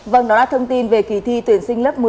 vâng đó là thông tin về kỳ thi tuyển sinh lớp một mươi